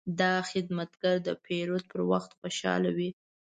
دا خدمتګر د پیرود پر وخت خوشحاله وي.